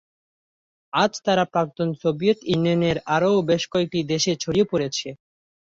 আজ তারা প্রাক্তন সোভিয়েত ইউনিয়নের আরও বেশ কয়েকটি দেশে ছড়িয়ে পড়েছে।